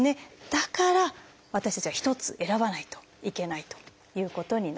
だから私たちは一つ選ばないといけないということになるんです。